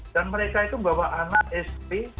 dan mereka itu membawa anak isp